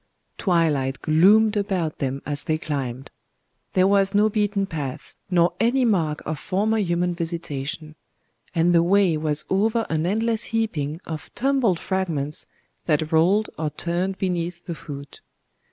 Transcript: Twilight gloomed about them as they climbed. There was no beaten path, nor any mark of former human visitation; and the way was over an endless heaping of tumbled fragments that rolled or turned beneath the foot.